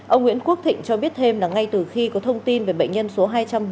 ông nguyễn quốc thịnh cho biết thêm là ngay từ khi có thông tin về bệnh nhân số hai trăm bốn mươi